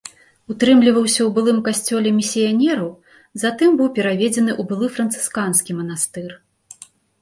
Утрымліваўся ў былым касцёле місіянераў, затым быў пераведзены ў былы францысканскі манастыр.